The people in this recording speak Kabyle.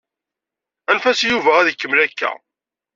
Anef-as i Yuba ad ikemmel akka.